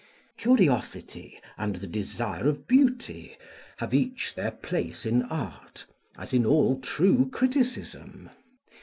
Curiosity and the desire of beauty, have each their place in art, as in all true criticism.